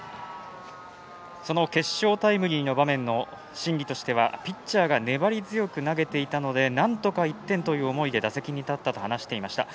その決勝タイムリーの場面の心理としてはピッチャーが粘り強く投げていたのでなんとか１点という思いで打席に立ったと話していました。